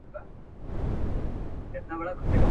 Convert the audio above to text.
جادوګر په شپه کي وتښتېد له ښاره.